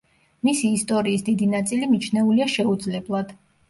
მისი ისტორიის დიდი ნაწილი მიჩნეულია შეუძლებლად.